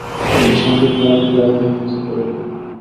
এ সংগীত মনকে অভিভূত করে ফেলে।